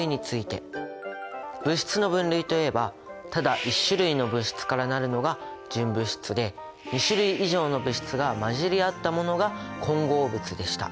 物質の分類といえばただ１種類の物質から成るのが純物質で２種類以上の物質が混じり合ったものが混合物でした。